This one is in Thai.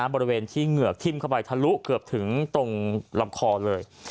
บริเวณที่เหงือกทิ้มเข้าไปทะลุเกือบถึงตรงลำคอเลย